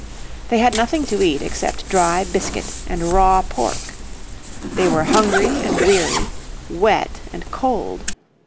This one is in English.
They had nothing to eat except dry biscuit and raw pork. They were hungry and weary, wet and cold.